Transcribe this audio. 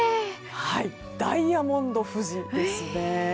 ダイヤモンド富士ですね。